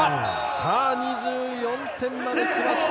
さあ、２４点まで来ました